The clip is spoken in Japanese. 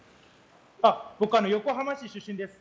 僕は横浜市出身です。